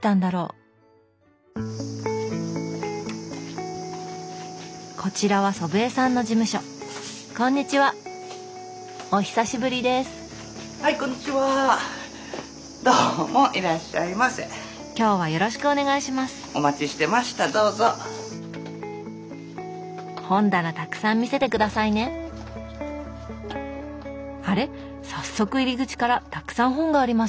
早速入り口からたくさん本がありますね。